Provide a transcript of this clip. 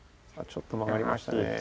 ちょっと曲がりましたね。